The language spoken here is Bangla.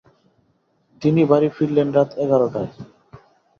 তিনি বাড়ি ফিরলেন রাত এগারটায়।